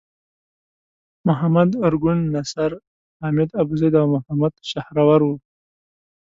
محمد ارګون، نصر حامد ابوزید او محمد شحرور وو.